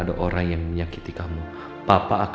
adaernen masih cukup baik